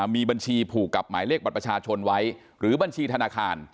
มีบัญชีผูกกับหมายเลขบัตรประชาชนไว้หรือบัญชีธนาคาร